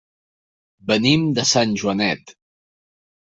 Venim de Sant Joanet.